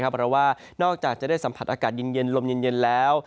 เพราะว่านอกจากจะได้สัมผัสอากาศเย็นลมเย็นแล้ว